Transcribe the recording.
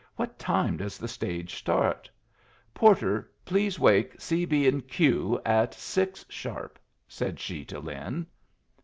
What time does the stage start? Porter, please wake 'C., B. and Q.' at six, sharp," said she to Lin.